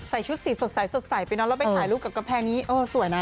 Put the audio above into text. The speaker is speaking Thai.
ใส่ชุดสีสดใสไปนอนแล้วไปถ่ายรูปกับกระแภนี้สวยนะ